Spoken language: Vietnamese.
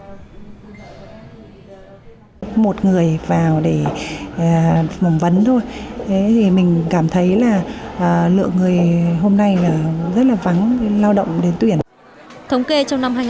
thống kê trong năm hai nghìn một mươi bảy sàn giao dịch việc làm hà nội có khoảng năm mươi chỉ tiêu tuyển dụng về trung cấp kỹ thuật lao động phổ thông